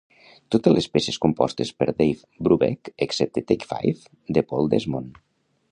Totes les peces compostes per Dave Brubeck, excepte "Take Five" de Paul Desmond.